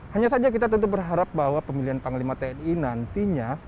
hanya saja kita tentu berharap bahwa pemilihan panglima tni nantinya